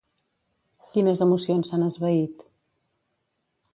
Quines emocions s'han esvaït?